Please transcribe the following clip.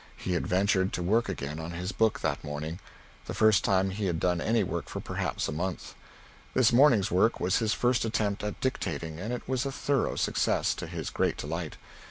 He had ventured to work again on his book that morning the first time he had done any work for perhaps a month. This morning's work was his first attempt at dictating, and it was a thorough success, to his great delight.